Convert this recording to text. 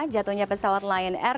jatuhnya pesawat lion air